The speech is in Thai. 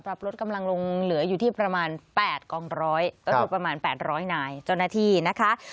ปรับลดกำลังลงเหลืออยู่ที่ประมาณ๘กองร้อยประมาณ๘๐๐นายจนนาทีนะคะ